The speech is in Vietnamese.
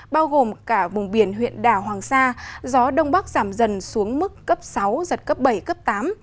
bao gồm cả vùng biển huyện đảo hoàng sa gió đông bắc giảm dần xuống mức cấp sáu giật cấp bảy cấp tám